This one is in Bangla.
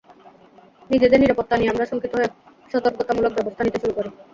নিজেদের নিরাপত্তা নিয়ে আমরা শঙ্কিত হয়ে সতর্কতামূলক ব্যবস্থা নিতে শুরু করি।